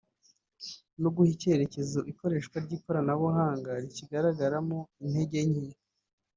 no guha icyerekezo ikoreshwa ry’ikoranabuhanga rikigaragaramo intege nke